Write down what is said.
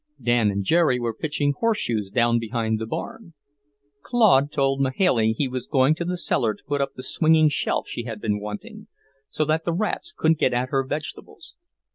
Dan and Jerry were pitching horseshoes down behind the barn. Claude told Mahailey he was going to the cellar to put up the swinging shelf she had been wanting, so that the rats couldn't get at her vegetables.